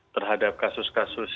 terhadap kasus kasus yang diperlukan